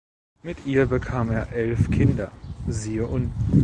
Mit ihr bekam er elf Kinder (siehe unten).